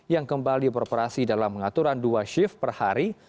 yang kembali beroperasi dalam mengaturan dua shift per hari